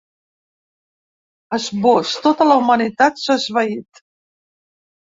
Esbós: Tota la humanitat s’ha esvaït .